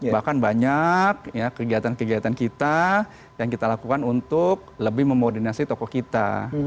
bahkan banyak kegiatan kegiatan kita yang kita lakukan untuk lebih memodernasi toko kita